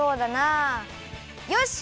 よし！